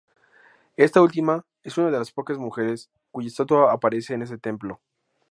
Esta última es una de las pocas mujeres cuya estatua aparece en este templo.